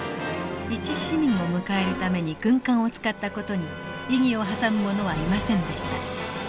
一市民を迎えるために軍艦を使った事に異議を挟む者はいませんでした。